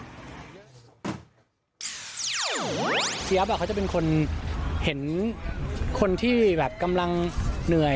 เจี๊ยบเขาจะเป็นคนเห็นคนที่แบบกำลังเหนื่อย